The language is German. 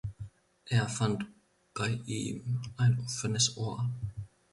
Er fand bei ihm ein offenes Ohr.